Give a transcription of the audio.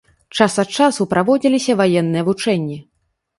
Час ад часу праводзіліся ваенныя вучэнні.